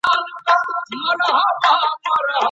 څنګه سوداګریز شرکتونه افغاني غالۍ پاکستان ته لیږدوي؟